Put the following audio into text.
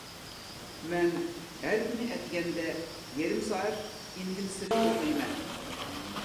مەن ھەر كۈنى ئەتىگەندە يېرىم سائەت ئىنگلىز تىلى ئوقۇيمەن.